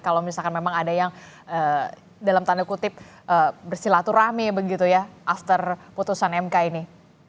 kalau misalkan memang ada yang dalam tanda kutip bersilaturahmi begitu ya after putusan mk ini